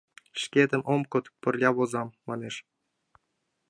Шкетын ом код, пырля возам, манеш.